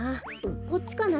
こっちかな？